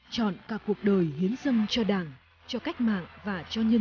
chọn cả cuộc đời hiến dâng cho đảng cho cách mạng và cho nhân dân